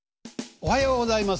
おはようございます。